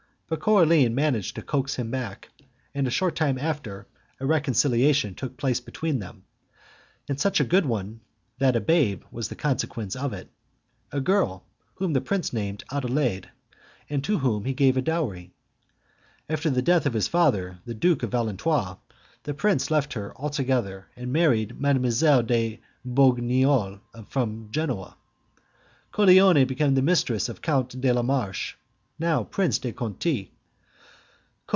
But Coraline managed to coax him back, and, a short time after, a reconciliation took place between them, and such a good one, that a babe was the consequence of it; a girl, whom the prince named Adelaide, and to whom he gave a dowry. After the death of his father, the Duke of Valentinois, the prince left her altogether and married Mlle. de Brignole, from Genoa. Coraline became the mistress of Count de la Marche, now Prince de Conti.